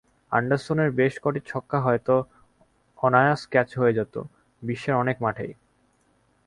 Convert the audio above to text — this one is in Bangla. অ্যান্ডারসনের বেশ কটি ছক্কা হয়তো অনায়াস ক্যাচ হয়ে যেত বিশ্বের অনেক মাঠেই।